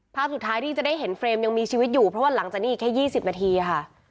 ภาพสุดท้ายที่จะได้เห็นเฟรมยังมีชีวิตอยู่เพราะว่าหลังจากนี้อีกแค่๒๐นาทีค่ะ